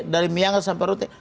dari myangga sampai rute